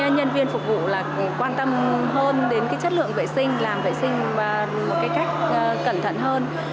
nhân viên phục vụ là quan tâm hơn đến chất lượng vệ sinh làm vệ sinh và một cách cẩn thận hơn